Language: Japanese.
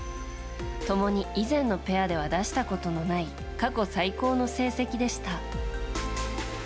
共に以前のペアでは出したことのない過去最高の成績でした。